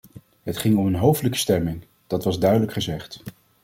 Het ging om een hoofdelijke stemming, dat was duidelijk gezegd.